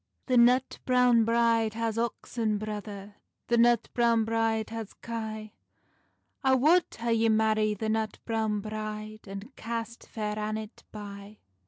"The nut browne bride has oxen, brother, The nut browne bride has kye; I wad hae ye marrie the nut browne bride, And cast Fair Annet bye."